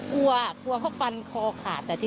เพราะว่ารถมันติดแล้วไง